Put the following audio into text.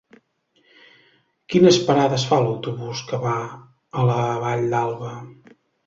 Quines parades fa l'autobús que va a la Vall d'Alba?